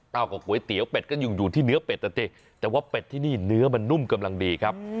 กับก๋วยเตี๋ยวเป็ดก็ยังอยู่ที่เนื้อเป็ดนะสิแต่ว่าเป็ดที่นี่เนื้อมันนุ่มกำลังดีครับ